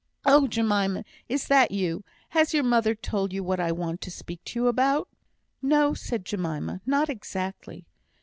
"Oh, Jemima! is that you? Has your mother told you what I want to speak to you about?" "No!" said Jemima. "Not exactly."